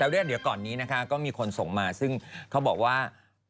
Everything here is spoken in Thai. แล้วเดี๋ยวก่อนนี้นะคะก็มีคนส่งมาซึ่งเขาบอกว่า